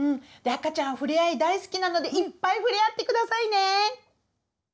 赤ちゃんふれあい大好きなのでいっぱいふれあってくださいね！